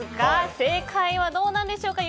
正解はどうなんでしょうか。